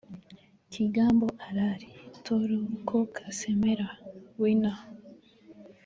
Kigambo Araali – Tooro k’okasemera (Winner)